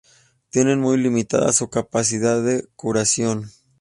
Tienen muy limitada su capacidad de curación.